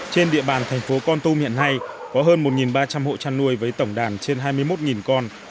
trên địa bàn thành phố con tum hiện nay có hơn một ba trăm linh hộ chăn nuôi với tổng đàn trên hai mươi một con